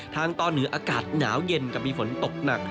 ทางตอนเหนืออากาศหนาวเย็นกับมีฝนตกหนัก